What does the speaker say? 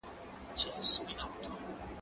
زه به سړو ته خواړه ورکړي وي؟!